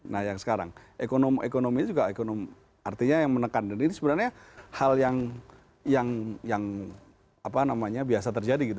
nah yang sekarang ekonomi ekonomi juga ekonomi artinya yang menekan dan ini sebenarnya hal yang yang yang apa namanya biasa terjadi gitu